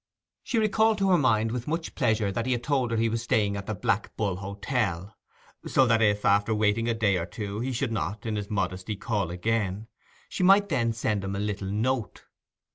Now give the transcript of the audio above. She recalled to her mind with much pleasure that he had told her he was staying at the Black Bull Hotel; so that if, after waiting a day or two, he should not, in his modesty, call again, she might then send him a nice little note.